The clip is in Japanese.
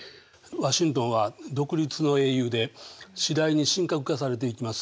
ワシントンは独立の英雄で次第に神格化されていきます。